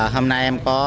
hôm nay em có